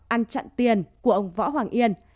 ăn chặn tiền của ông võ hoàng yên